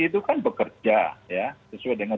itu kan bekerja ya sesuai dengan